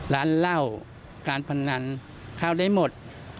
ร้านเหล้าการพนันข้าวได้หมด